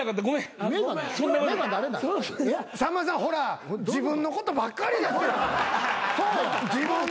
さんまさんほら自分のことばっかりですやん。